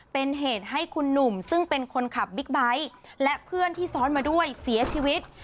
เป็นเหตุให้คุณหนุ่มซึ่งเป็นคนขับบิ๊กไบท์และเพื่อนที่ซ้อนมาด้วยเสียชีวิต